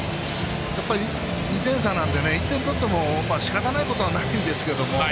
やっぱり、２点差なので１点取ってもしかたないことはないんですけども。